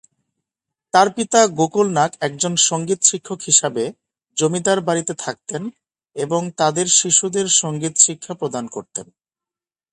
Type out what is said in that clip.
তার পিতা গোকুল নাগ একজন সংগীত শিক্ষক হিসাবে জমিদার বাড়ীতে থাকতেন এবং তাদের শিশুদের সংগীত শিক্ষা প্রদান করতেন।